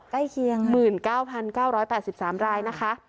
ใกล้เคียงหมื่นเก้าพันเก้าร้อยแปดสิบสามรายนะคะ